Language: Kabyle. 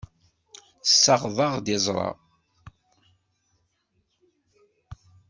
Tessaɣeḍ-aɣ-d iẓra.